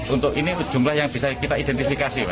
untuk ini jumlah yang bisa kita identifikasi